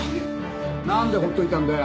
なんでほっといたんだよ？